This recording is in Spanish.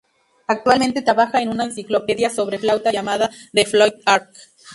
Actualmente, trabaja en una enciclopedia sobre flauta llamada The Flute Ark.